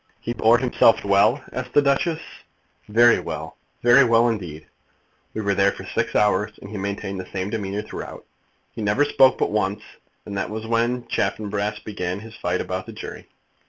"He bore himself well?" asked the Duchess. "Very well, very well indeed. We were there for six hours, and he maintained the same demeanour throughout. He never spoke but once, and that was when Chaffanbrass began his fight about the jury."